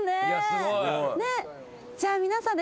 じゃあ皆さんで。